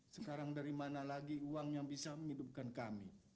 sekarang dari mana lagi uang yang bisa menghidupkan kami